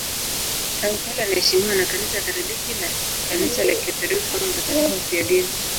Tangu kale anaheshimiwa na Kanisa Katoliki na Kanisa la Kiorthodoksi kama mtakatifu mfiadini.